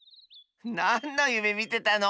なんのゆめみてたの？